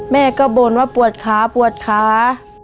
แม่ก็บ่นว่าปวดขา